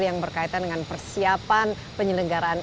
yang berkaitan dengan persiapan penyelenggaraan